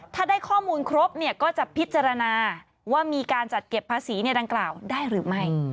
ถ้าได้ข้อมูลครบก็จะพิจารณาว่ามีการจัดเก็บภาษีดังกล่าวได้หรือไม่